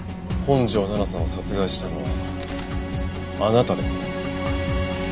本条奈々さんを殺害したのはあなたですね。